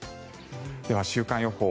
では、週間予報。